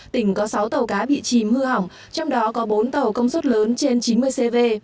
tỉnh có sáu tàu cá bị chìm hư hỏng trong đó có bốn tàu công suất lớn trên chín mươi cv